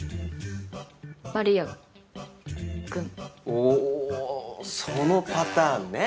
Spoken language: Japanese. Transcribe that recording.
おおそのパターンね。